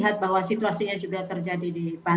kita sudah tahu